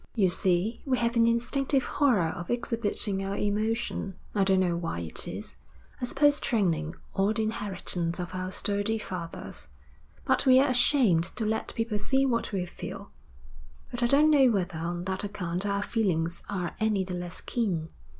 'You see, we have an instinctive horror of exhibiting our emotion. I don't know why it is, I suppose training or the inheritance of our sturdy fathers, but we're ashamed to let people see what we feel. But I don't know whether on that account our feelings are any the less keen.